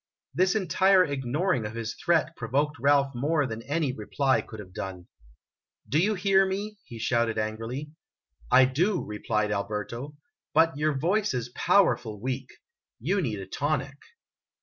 This entire ignoring of his threat provoked Ralph more than any reply could have done. "Do you hear me? "he shouted angrily. " I do," replied Alberto; "but your voice is powerful weak. You need a tonic."